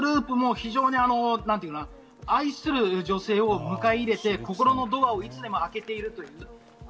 愛する女性を迎え入れて心のドアをいつでも開けているという。